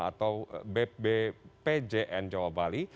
atau bbpjn jawa bali